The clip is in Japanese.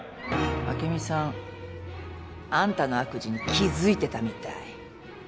朱美さんあんたの悪事に気付いてたみたい。